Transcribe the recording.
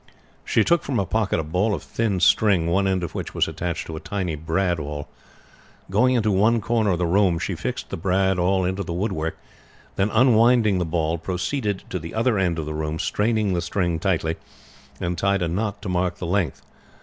She took from her pocket a ball of thin string, one end of which was attached to a tiny brad awl. Going into one corner of the room she fixed the brad awl into the woodwork; then, unwinding the ball, proceeded to the other end of the room, straining the string tightly, and tied a knot to mark the length.